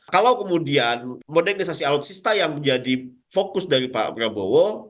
kalau kemudian modernisasi alutsista yang menjadi fokus dari pak prabowo